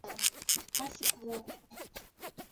交通部部长否认了所有有关袭击抗议者的指控。